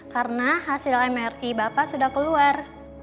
karena hasil mri bapak sudah keluar